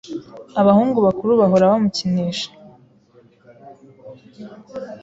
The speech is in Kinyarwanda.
Abahungu bakuru bahora bamukinisha.